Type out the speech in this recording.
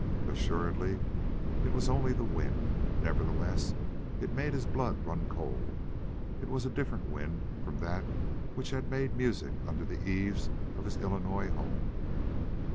Assuredly it was only the wind. Nevertheless, it made his blood run cold. It was a different wind from that which had made music under the eaves of his Illinois home.